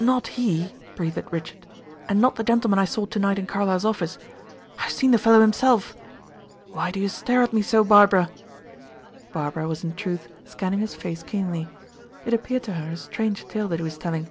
"Not he," breathed Richard; "and not the gentleman I saw to night in Carlyle's office. I have seen the fellow himself. Why to you stare at me so, Barbara?" Barbara was in truth scanning his face keenly. It appeared to her a strange tale that he was telling.